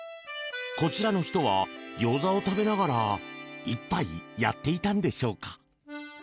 こちらの人はギョーザを食べながら一杯やっていたのでしょうか。